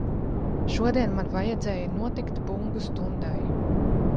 Šodien man vajadzēja notikt bungu stundai.